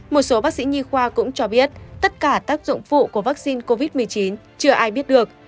một số bác sĩ nhi khoa cũng cho biết tất cả tác dụng phụ của vaccine covid một mươi chín chưa ai biết được